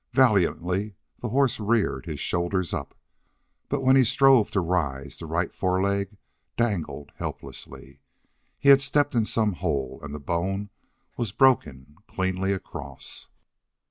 Valiantly the horse reared his shoulders up, but when he strove to rise the right foreleg dangled helplessly. He had stepped in some hole and the bone was broken cleanly across.